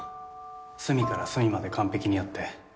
隅から隅まで完璧にやって